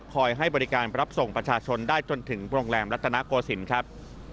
ให้บริการรับส่งประชาชนได้จนถึงโรงแรมรัตนโกศิลป์ครับ